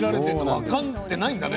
分かってないんだね。